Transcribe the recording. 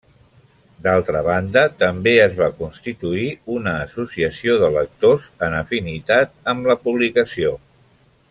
D'altra banda, també es va constituir una associació de lectors en afinitat amb la publicació.